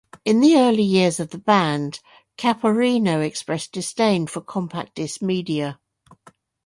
In the early years of the band, Caporino expressed disdain for compact disc media.